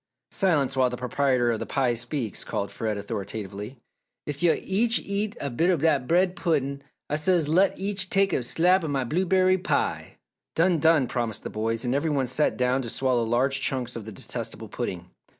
"Silence while the proprietor of the pie speaks!" called Fred, authoritatively. "Ef yo' each eats a bit o' dat bread puddin' Ah says, let each take a slab o' my blueberry pie!" "Done! Done!" promised the boys, and every one sat down to swallow large chunks of the detestable pudding.